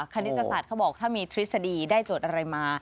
คณิตศาสตร์เขาบอกถ้ามีทฤษฎีได้โจทย์อะไรมา